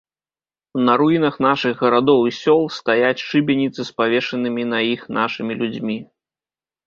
На руінах нашых гарадоў і сёл стаяць шыбеніцы з павешанымі на іх нашымі людзьмі.